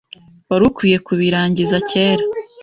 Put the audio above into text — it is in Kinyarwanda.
Wari ukwiye kubirangiza kera.